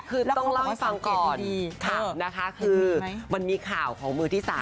คือต้องเล่าให้ฟังก่อนนะคะคือมันมีข่าวของมือที่๓